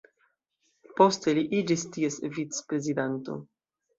Poste li iĝis ties vicprezidanto.